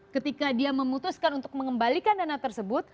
ketika dia memutuskan untuk mengembalikan dana tersebut